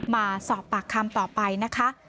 มาสอบปากคำต่อไปนะคะ